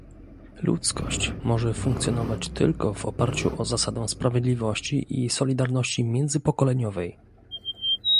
Ludzkość może funkcjonować tylko w oparciu o zasadę sprawiedliwości i solidarności międzypokoleniowej